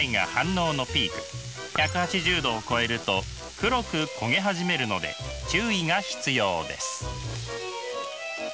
１８０℃を超えると黒く焦げ始めるので注意が必要です。